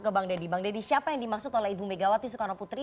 bang deddy siapa yang dimaksud oleh ibu megawati sukarno putri